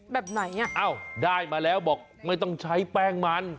แบบไหนอ่ะอ้าวได้มาแล้วบอกไม่ต้องใช้แป้งมัน